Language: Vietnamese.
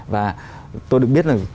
và tôi được biết là